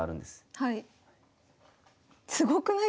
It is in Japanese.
はい。